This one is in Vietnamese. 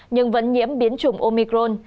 nhưng vẫn nhiễm biến chủng omicron